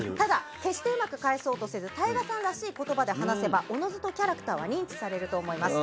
決してうまく返そうとせずＴＡＩＧＡさんらしい言葉で話せば、おのずとキャラクターは認知されると思います。